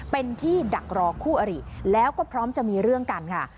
เป็นที่ดักรอคู่อริแล้วก็พร้อมจะมีเรื่องกันค่ะ